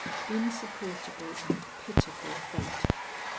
Insupportable and pitiful fate!